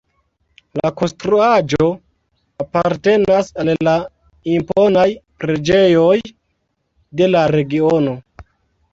La konstruaĵo apartenas al la imponaj preĝejoj de la regiono.